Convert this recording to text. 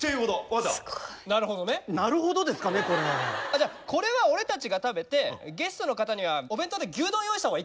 じゃあこれは俺たちが食べてゲストの方にはお弁当で牛丼用意した方がいいか。